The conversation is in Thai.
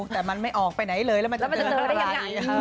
แต่มันไม่ออกไปไหนเลยแล้วมันจะเจอได้ยังไง